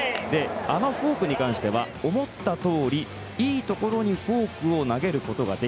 あのフォークに関しては思ったとおり、いいところにフォークを投げられた。